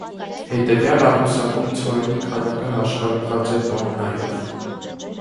Հետևյալ աղյուսակում ցորենի քանակը հաշվարկված է տոննայով։